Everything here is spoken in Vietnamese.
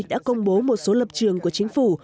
đã công bố một số lập trường của chính phủ